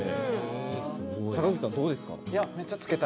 坂口さん、どうですか？